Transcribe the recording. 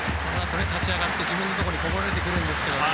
立ち上がって自分のところにこぼれてくるんですけどね。